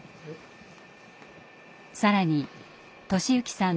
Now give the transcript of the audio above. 更に寿之さん